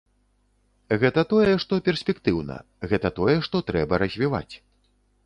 Гэта тое, што перспектыўна, гэта тое, што трэба развіваць.